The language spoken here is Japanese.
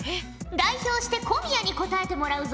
代表して小宮に答えてもらうぞ。